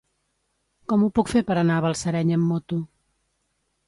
Com ho puc fer per anar a Balsareny amb moto?